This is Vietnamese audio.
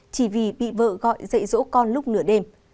chỉ vì bị vợ gọi dạy dỗ con lúc nửa đêm